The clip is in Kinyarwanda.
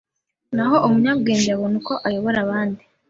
naho umunyabwenge abone uko ayobora abandi.